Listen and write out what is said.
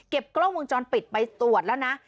กล้องวงจรปิดไปตรวจแล้วนะ